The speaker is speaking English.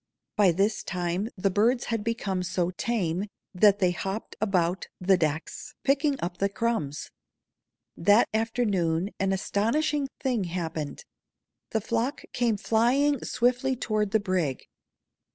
By this time the birds had become so tame that they hopped about the decks, picking up the crumbs. That afternoon an astonishing thing happened. The flock came flying swiftly toward the brig.